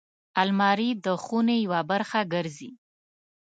الماري د خونې یوه برخه ګرځي